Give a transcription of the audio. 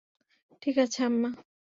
ঠিক আছে আম্মা।